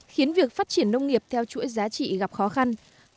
khiến việc phát triển nông nghiệp theo chuỗi giá trị gặp khó khăn